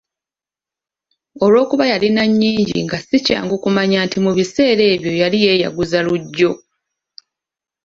Olwokuba yalina nyingi nga si kyangu kumanya nti mu biseera ebyo yali yeeyaguza lujjo.